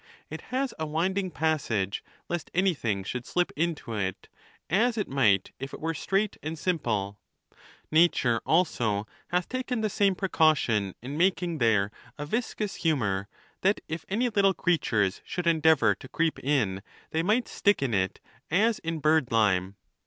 It has a winding passage, lest anything should slip into it, as it might if it were straight and sim ple. Nature also hath taken the same precaution in mak ing there a viscous humor, that if any little ci eatui es should endeavor to ci'eep in, they might stick in it as in bird lime.